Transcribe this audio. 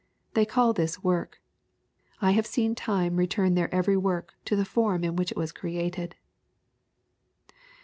They call this work. I have seen time re turn their every work to the form in which it was created."